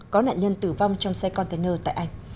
có nạn nhân tử vong trong xe container tại anh